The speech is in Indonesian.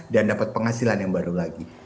dan dapat penghasilan yang baru lagi